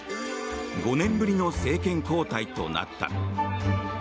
５年ぶりの政権交代となった。